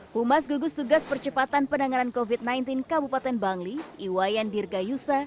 humas gugus tugas percepatan penanganan covid sembilan belas kabupaten bangli iwayan dirgayusa